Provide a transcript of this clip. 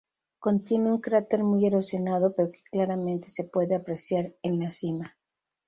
Contiene un cráter muy erosionado pero que claramente se puede apreciar en la cima.